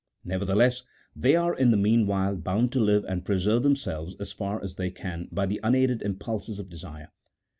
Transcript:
Nevertheless, they are in the meanwhile bound to live and preserve themselves as far as they can by the unaided impulses of desire.